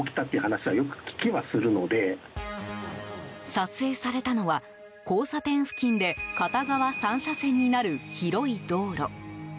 撮影されたのは、交差点付近で片側３車線になる広い道路。